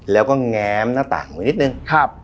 แล้วก็แง้มหน้าต่างไว้นิดนึง